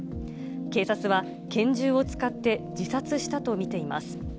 警察は、拳銃を使って自殺したと見ています。